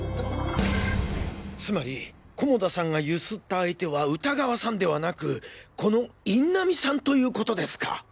つまり菰田さんがゆすった相手は歌川さんではなくこの印南さんということですか。